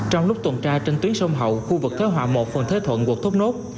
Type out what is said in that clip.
trong lúc tuần tra trên tuyến sông hậu khu vực thế họa một phường thế thuận quận thốt nốt